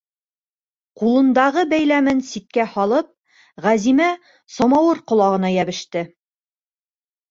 - Ҡулындағы бәйләмен ситкә һалып, Ғәзимә самауыр ҡолағына йәбеште.